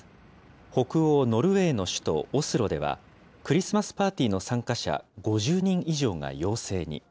北欧ノルウェーの首都オスロでは、クリスマスパーティーの参加者５０人以上が陽性に。